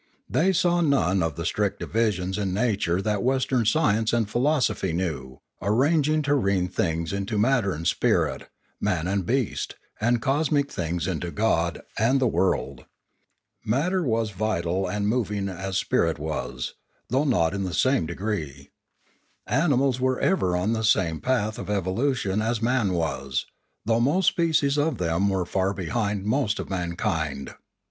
They saw none of the strict divisions in nature that Western science and philosophy knew, ar ranging terrene things into matter and spirit, man and beast, and cosmic things into God and the world. Matter was vital and moving, as spirit was, though not in the same degree. Animals were ever on the same path of evolution as man was, though most species of them were far behind most of mankind.